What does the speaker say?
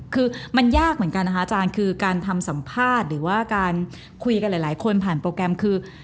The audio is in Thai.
คือมันยากเหมือนกันนะคะอาจารย์คือการทำสัมภาษณ์หรือว่าการคุยกันหลายคนผ่านโปรแกรมคือ